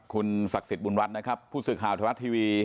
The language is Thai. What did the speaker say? คุณศักดิ์สิทธิ์บุญรัฐผู้สื่อข่าวธนาทีวี